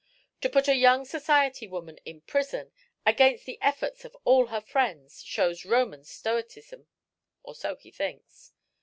To put a young society woman in prison, against the efforts of all her friends, shows Roman stoicism, or so he thinks."